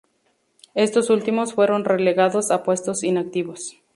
Estos últimos fueron relegados a puestos inactivos.